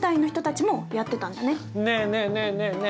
ねえねえねえねえね